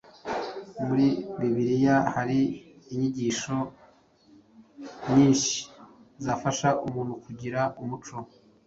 Muri Bibiliya hari inyigisho nyinshi zafasha umuntu kugira umuco